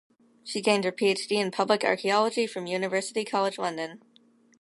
She gained her PhD in Public Archaeology from University College London.